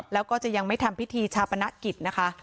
แล้วก็จะยังไม่ทำพิธีชาปนกิจนะคะ